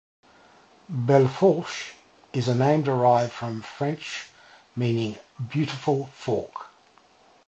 Belle Fourche is a name derived from French meaning "beautiful fork".